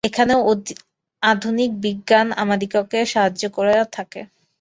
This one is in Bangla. এখানেও আধুনিক বিজ্ঞান আমাদিগকে সাহায্য করিয়া থাকে।